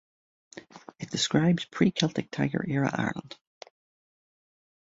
It describes pre-Celtic Tiger era Ireland.